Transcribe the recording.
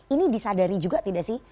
ini disadari juga tidak sih